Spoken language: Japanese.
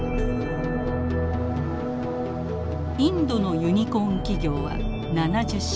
インドのユニコーン企業は７０社。